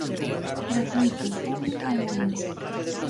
Gratuíto, público e en galego.